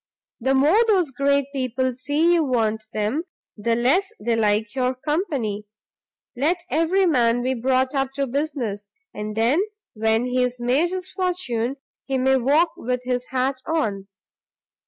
The more those great people see you want them, the less they like your company. Let every man be brought up to business, and then when he's made his fortune, he may walk with his hat on.